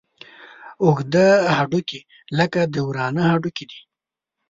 اوږده هډوکي لکه د ورانه هډوکي دي.